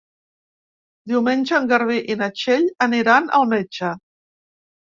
Diumenge en Garbí i na Txell aniran al metge.